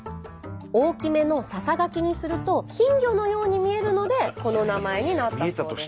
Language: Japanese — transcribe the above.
大きめのささがきにすると金魚のように見えるのでこの名前になったそうです。